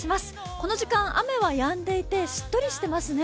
この時間、雨はやんでいてしっとりしていますね。